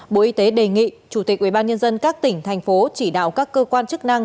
bộ y tế đề nghị chủ tịch ubnd các tỉnh thành phố chỉ đạo các cơ quan chức năng